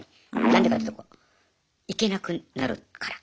何でかっていうと行けなくなるから。